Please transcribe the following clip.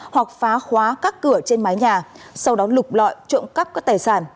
hoặc phá khóa các cửa trên mái nhà sau đó lục lọi trộm cắp các tài sản